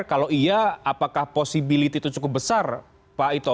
kalau iya apakah posibilitas itu cukup besar pak ito